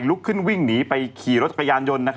ลุกขึ้นวิ่งหนีไปขี่รถจักรยานยนต์